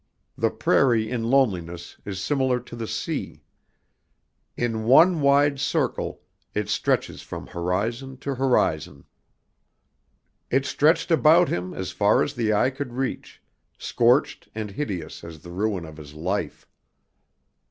The prairie in loneliness is similar to the sea. In one wide circle it stretches from horizon to horizon. It stretched about him far as the eye could reach, scorched and hideous as the ruin of his life.